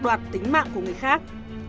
hoặc tính mạng của người khác